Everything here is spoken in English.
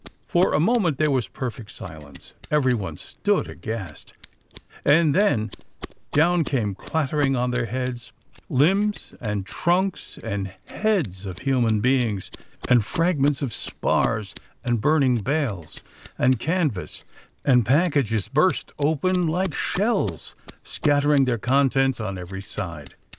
For a moment there was perfect silence; every one stood aghast, and then down came clattering on their heads, limbs, and trunks, and heads of human beings, and fragments of spars, and burning bales, and canvas, and packages burst open like shells, scattering their contents on every side.